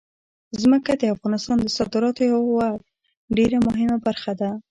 ځمکه د افغانستان د صادراتو یوه ډېره مهمه برخه ده.